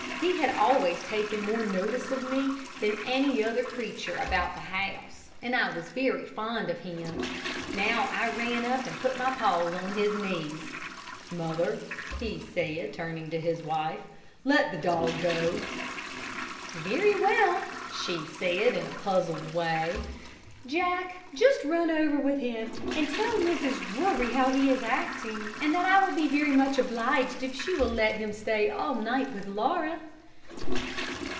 He had always taken more notice of me than any other creature about the house, and I was very fond of him. Now I ran up and put my paws on his knees. "Mother," he said, turning to his wife, "let the dog go." "Very well," she said, in a puzzled way. "Jack, just run over with him, and tell Mrs. Drury how he is acting, and that I will be very much obliged if she will let him stay all night with Laura."